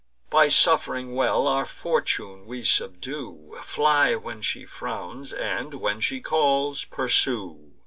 By suff'ring well, our Fortune we subdue; Fly when she frowns, and, when she calls, pursue.